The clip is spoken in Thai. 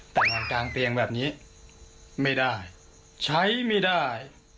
แต่นอนกลางเตียงแบบนี้ไม่ได้ใช้ไม่ได้